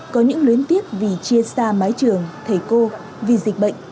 có những luyến tiếc vì chia xa mái trường thầy cô vì dịch bệnh